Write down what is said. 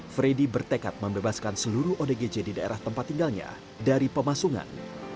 freddy bertekad membebaskan seluruh odgj di daerah tempat tinggalnya dari pemasungan